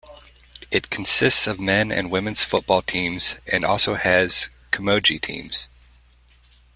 It consists of men and women's football teams and also has camogie teams.